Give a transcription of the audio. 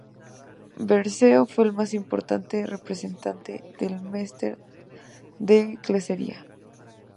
Berceo fue el más importante representante del mester de clerecía.